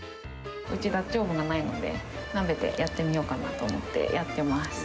うちにダッチオーブンがないので、鍋でやってみようかなと思ってやってます。